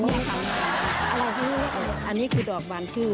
ลองทำอะไรขึ้นอะไรขึ้นอันนี้คือดอกบานขึ้น